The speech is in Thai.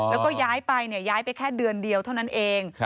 แล้วก็ย้ายไปย้ายไปแค่เดือนเดียวเท่านั้นเอง